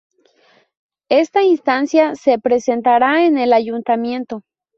Esta instancia se presentará en el Ayuntamiento.